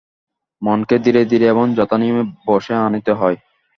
মনকে ধীরে ধীরে এবং যথানিয়মে বশে আনিতে হয়।